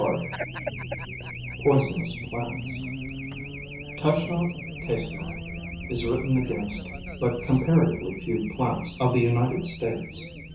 VI POISONOUS PLANTS OUCH not, taste not " is written against but com paratively few plants of the United States.